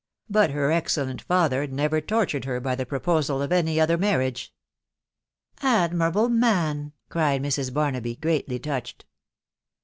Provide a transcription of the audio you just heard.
. but her excellent father never tortured her by the proposal of any other marriage. ..." te Admirable man ! n cried Mrs. Barnaby, "greatly touched.